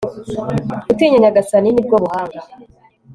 gutinya nyagasani, ni bwo buhanga